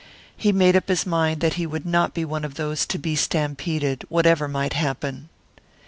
He made up his mind that he would not be one of those to be stampeded, whatever might happen.